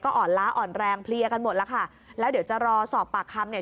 อ่อนล้าอ่อนแรงเพลียกันหมดแล้วค่ะแล้วเดี๋ยวจะรอสอบปากคำเนี่ย